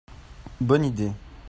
Bonne idée.